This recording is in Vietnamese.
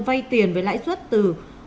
vay tiền với lãi suất từ một trăm một mươi bảy